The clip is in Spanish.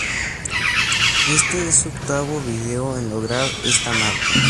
Este es su octavo video en lograr esta marca.